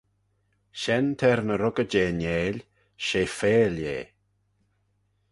Shen t'er ny ruggey jeh'n 'eill, she feill eh.